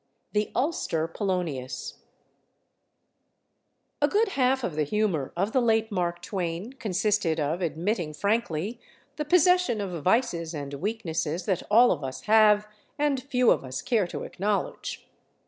XIV. THE ULSTER POLONIUS A good half of the humor of the late Mark Twain consisted of admitting frankly the possession of vices and weaknesses that all of us have and few of us care to acknowledge.